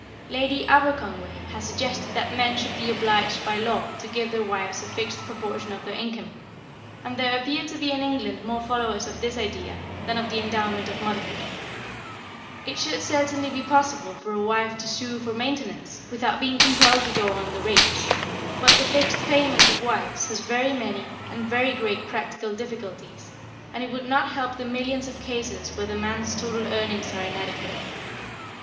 Lady Aberconway has suggested that men should be obliged by law to give their wives a fixed proportion of their incomes, and there appear to be in England more followers of this idea than of the endowment of motherhood. It should certainly be possible for a wife to sue for maintenance, without being compelled to go on the rates, but the fixed payment of wives has very many and very great practical difficulties, and it would not help the millions of cases where the man's total earnings are inadequate.